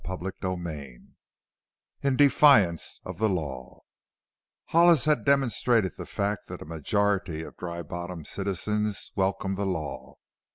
CHAPTER XXVIII IN DEFIANCE OF THE LAW Hollis had demonstrated the fact that a majority of Dry Bottom's citizens welcomed the law.